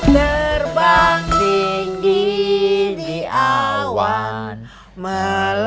straighten up kabel usual